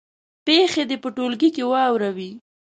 پېښې دې په ټولګي کې واوروي.